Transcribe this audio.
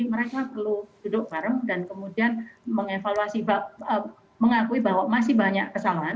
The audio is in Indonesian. mereka perlu duduk bareng dan kemudian mengakui bahwa masih banyak kesalahan